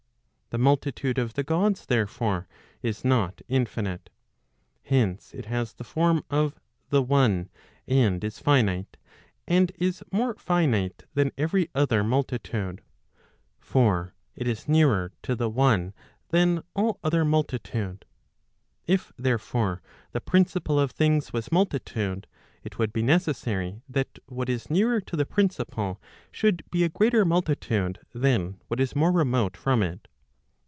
The multitude of the Gods therefore, is not infinite. Hence it has the form of the one and is finite, and is more finite than every other multitude. For it is nearer to the one than all other multitude. If therefore the principle of things was multitude, it would be necessary that what is nearer to the principle should be a greater multitude than what is more remote from it.